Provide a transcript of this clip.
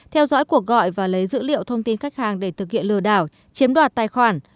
theo dõi cuộc gọi và lấy dữ liệu thông tin khách hàng để thực hiện lừa đảo chiếm đoạt tài khoản